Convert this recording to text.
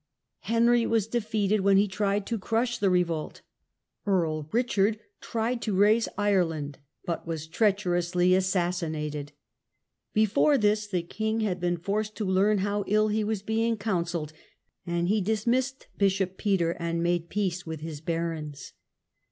Henry was defeated when he tried to crush the revolt Earl Bichard tried to raise Ireland, but was treacherously assassinated. Before this the king had been forced to learn how ill he was being counselled, and he dismissed Bishop Peter and made peace with his barons.